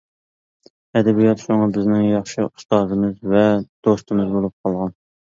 ئەدەبىيات شۇڭا، بىزنىڭ ياخشى ئۇستازىمىز ۋە دوستىمىز بولۇپ قالغان.